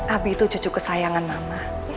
abi itu cucu kesayangan mama